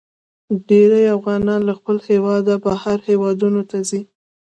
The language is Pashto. ډیرې افغانان له خپل هیواده بهر هیوادونو ته ځي.